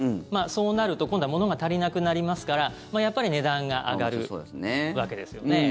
そうなると今度はものが足りなくなりますからやっぱり値段が上がるわけですよね。